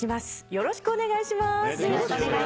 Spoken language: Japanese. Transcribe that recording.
よろしくお願いします。